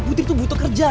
putri tuh butuh kerja